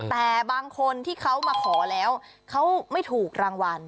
แต่บางคนที่เขามาขอแล้วเขาไม่ถูกรางวัล